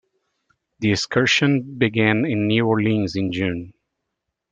The excursion began in New Orleans in June.